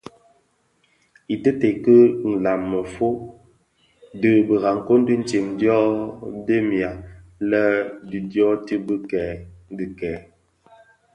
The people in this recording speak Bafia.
Iteeted ki nlaň mefom di Birakoň ditsem dyo dhemiya lè dyotibikèè dhikèè.